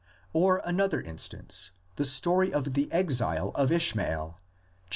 Or, another instance, the story of the exile of Ishmael (xxiv.